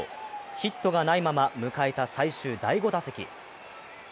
ヒットがないまま迎えた最終第５打席。